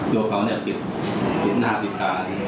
เจ้าเขานี่คุณภาพผิกตราน